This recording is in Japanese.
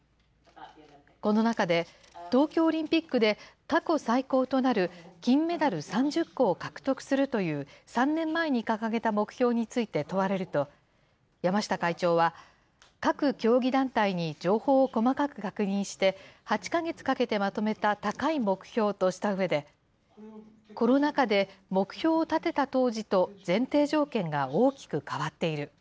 この中で、東京オリンピックで過去最高となる金メダル３０個を獲得するという、３年前に掲げた目標について問われると、山下会長は、各競技団体に情報を細かく確認して、８か月かけてまとめた高い目標としたうえで、コロナ禍で目標を立てた当時と前提条件が大きく変わっている。